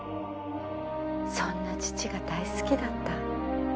そんな父が大好きだった。